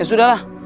ya sudah lah